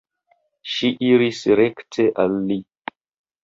Ŝi iris rekte al li.